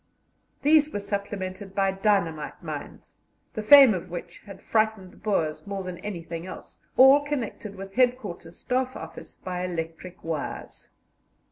These were supplemented by dynamite mines, the fame of which had frightened the Boers more than anything else, all connected with Headquarter Staff Office by electric wires.